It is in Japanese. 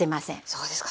そうですか。